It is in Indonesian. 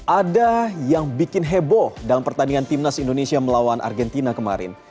ada yang bikin heboh dalam pertandingan timnas indonesia melawan argentina kemarin